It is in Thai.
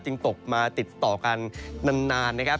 ตกมาติดต่อกันนานนะครับ